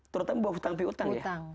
terutama buat hutang pihutang ya